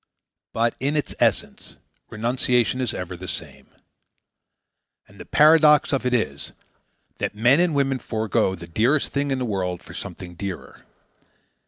But, in its essence, renunciation is ever the same. And the paradox of it is, that men and women forego the dearest thing in the world for something dearer.